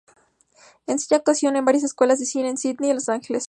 Enseña actuación en varias escuelas de cine en Sídney y Los Ángeles.